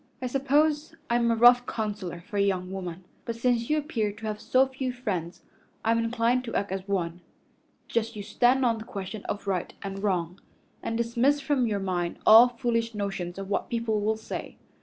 I suppose I'm a rough counselor for a young woman, but since you appear to have so few friends I'm inclined to act as one. Just you stand on the question of right and wrong, and dismiss from your mind all foolish notions of what people will say.